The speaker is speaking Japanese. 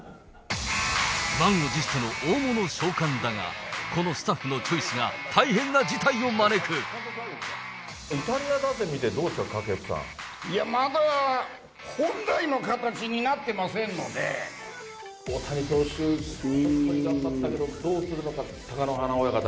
満を持しての大物召喚だが、このスタッフのチョイスが大変なイタリア打線見てどうですか、いや、まだ、本来の形になっ大谷投手、本当に頑張ったけど、どうするのか、貴乃花親方。